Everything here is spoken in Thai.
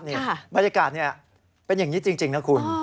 นี่บรรยากาศเนี่ยเป็นอย่างงี้จริงนะคุณ